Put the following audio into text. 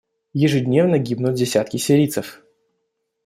Ежедневно гибнут десятки сирийцев.